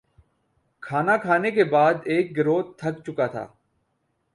کھانا کھانے کے بعد ایک گروہ تھک چکا تھا